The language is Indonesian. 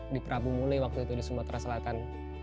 di prabu mule waktu itu di sumatera selatan